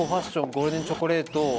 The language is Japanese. ゴールデンチョコレート。